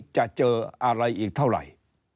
จะเจออะไรอีกเท่าไหร่